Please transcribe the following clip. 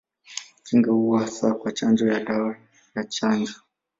Kinga huwa hasa kwa chanjo ya dawa ya chanjo.